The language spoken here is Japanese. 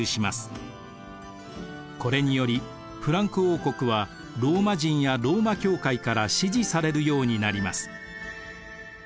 これによりフランク王国はローマ人やローマ教会から支持されるようになります。